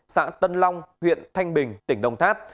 xã tân long huyện thanh bình tỉnh đồng tháp